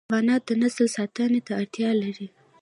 حیوانات د نسل ساتنه ته اړتیا لري.